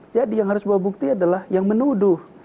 jadi yang harus bawa bukti adalah yang menuduh